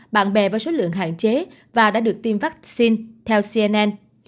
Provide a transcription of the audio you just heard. bạn bè với số lượng hạn chế và đã được tiêm vaccine theo cnn